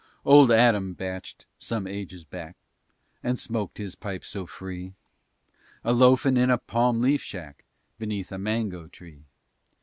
Old Adam bached some ages back And smoked his pipe so free, A loafin' in a palm leaf shack Beneath a mango tree.